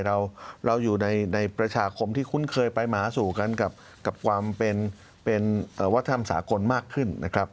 เราอยู่ในประชาคมที่คุ้นเคยไปมาหาสู่กันกับความเป็นวัฒนธรรมสากลมากขึ้นนะครับ